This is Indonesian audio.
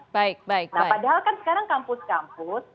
nah padahal kan sekarang kampus kampus